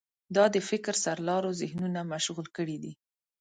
دا د فکر سرلارو ذهنونه مشغول کړي دي.